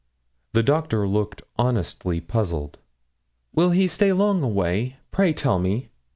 The Doctor looked honestly puzzled. 'Will he stay long away? pray tell me.'